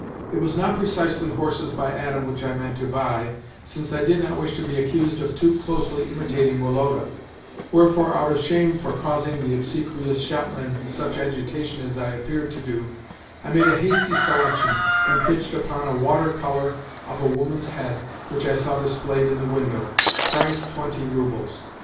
It was not precisely horses by Adam which I meant to buy, since I did not wish to be accused of too closely imitating Woloda; wherefore, out of shame for causing the obsequious shopmen such agitation as I appeared to do, I made a hasty selection, and pitched upon a water colour of a woman's head which I saw displayed in the window price twenty roubles.